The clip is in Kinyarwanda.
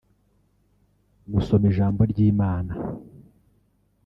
gusoma ijambo ry'Imana